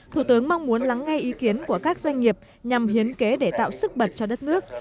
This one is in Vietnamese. thủ tướng mong muốn lắng nghe ý kiến của các doanh nghiệp nhằm hiến kế để tạo sức bật cho đất nước